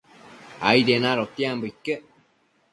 Aidien adotiambo iquec